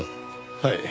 はい。